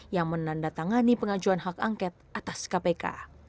yang menandatangani pengajuan hak angket atas kpk